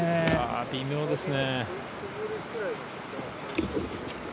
微妙ですね。